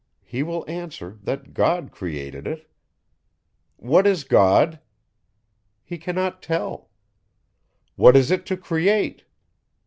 He will answer, that God created it. What is God? He cannot tell. What is it to create?